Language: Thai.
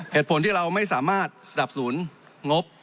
เหตุผลที่เราไม่สามารถสนับสนุนงบ